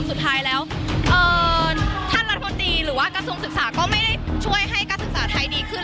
สุดท้ายแล้วท่านรัฐมนตรีหรือว่ากระทรวงศึกษาก็ไม่ได้ช่วยให้การศึกษาไทยดีขึ้น